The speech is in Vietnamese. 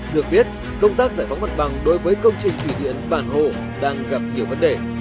được biết công tác giải phóng mặt bằng đối với công trình thủy điện bản hộ đang gặp nhiều vấn đề